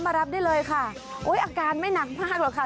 รับได้เลยค่ะโอ้ยอาการไม่หนักมากหรอกค่ะ